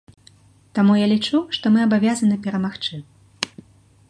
Таму я лічу, што мы абавязаны перамагчы.